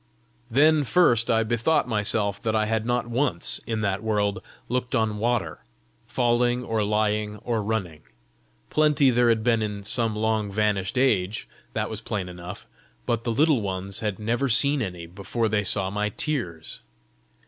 Then first I bethought myself that I had not once, in that world, looked on water, falling or lying or running. Plenty there had been in some long vanished age that was plain enough but the Little Ones had never seen any before they saw my tears!